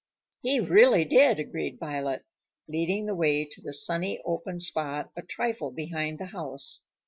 "He really did," agreed Violet, leading the way to the sunny open spot a trifle behind the house.